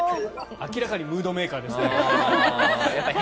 明らかにムードメーカーですね。